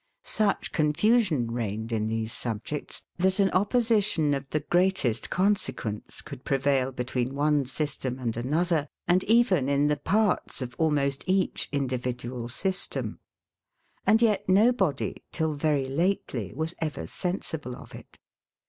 Such confusion reigned in these subjects, that an opposition of the greatest consequence could prevail between one system and another, and even in the parts of almost each individual system; and yet nobody, till very lately, was ever sensible of it.